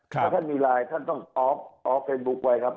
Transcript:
ถ้าท่านมีไลน์ท่านต้องออฟเฟซบุ๊คไว้ครับ